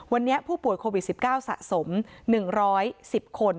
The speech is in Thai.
วันนี้ผู้ป่วยโควิด๑๙สะสม๑๑๐คน